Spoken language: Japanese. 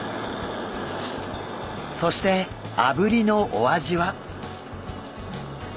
そしてあぶりのお味は？